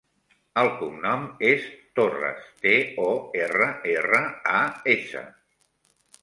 El cognom és Torras: te, o, erra, erra, a, essa.